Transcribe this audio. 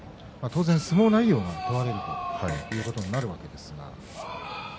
当然、相撲内容が問われるということになるんですが。